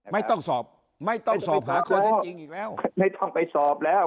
ไม่ต้องสอบไม่ต้องสอบหาคนที่จริงอีกแล้วไม่ต้องไปสอบแล้ว